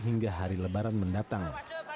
hingga hari lebaran mendatang